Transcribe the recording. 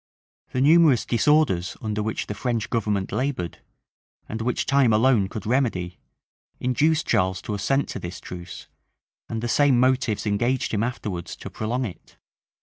The numerous disorders under which the French government labored, and which time alone could remedy, induced Charles to assent to this truce; and the same motives engaged him afterwards to prolong it.